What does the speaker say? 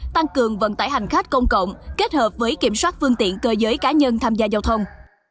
tăng cường vận tải hành khách công cộng kết hợp với kiểm soát phương tiện cơ giới cá nhân tham gia giao thông